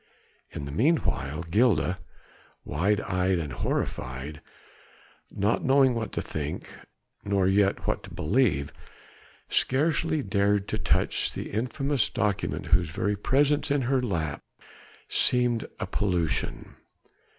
In the meanwhile Gilda, wide eyed and horrified, not knowing what to think, nor yet what to believe, scarcely dared to touch the infamous document whose very presence in her lap seemed a pollution.